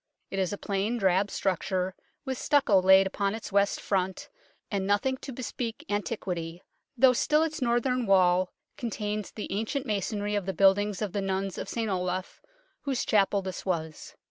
It is a plain, drab structure, with stucco laid upon its west front, and nothing to bespeak antiquity, though still its northern wall contains the ancient masonry of the buildings of the nuns of St Olave, whose chapel this was.